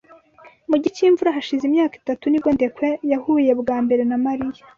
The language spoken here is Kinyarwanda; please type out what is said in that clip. Mu gihe cyimvura hashize imyaka itatu nibwo Ndekwe yahuye bwa mbere na Marina.